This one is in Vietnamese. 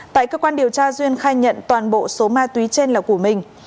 tại cơ quan điều tra duyên khai nhận toàn bộ số ma túy trên là của mình